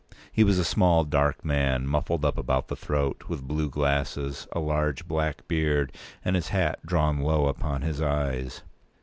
He was a small, dark man, muffled up about the throat, with blue glasses, a large black beard, and his hat drawn low upon his eyes.